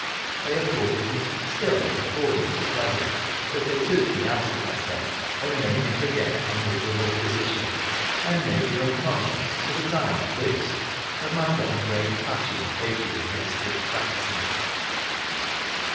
Still they afforded me pleasure, because they took me out of myself, and made me forget my miserable position, and made me uncon scious (for the time at least,) of my one great passion of hatred against Dick Jackson.